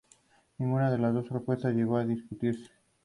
Barres nació en West Orange, Nueva Jersey, Estados Unidos.